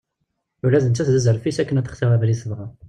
Ula d nettat d aẓref-is akken ad textir abrid tebɣa.